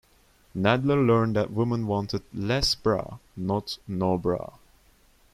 Nadler learned that women wanted "less bra," not "no bra.